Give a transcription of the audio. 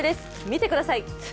見てください。